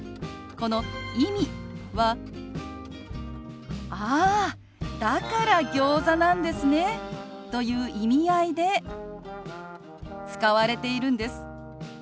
この「意味」は「あーだからギョーザなんですね」という意味合いで使われているんです。